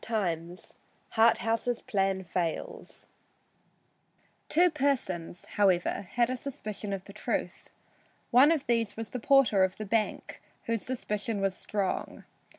III HARTHOUSE'S PLAN FAILS Two persons, however, had a suspicion of the truth. One of these was the porter of the bank, whose suspicion was strong.